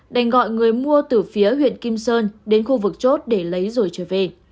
đành gọi người mua từ phía huyện kim sơn đến khu vực chốt để lấy rồi trở về